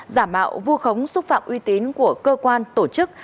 giả mạo vu khống xúc phạm uy tín của cơ quan tổ chức